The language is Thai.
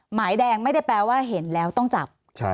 หมายแดงไม่ได้แปลว่าเห็นแล้วต้องจับ